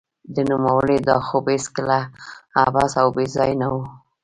د نوموړي دا خوب هېڅکله عبث او بې ځای نه و